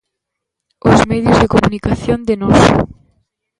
Os medios de comunicación de noso.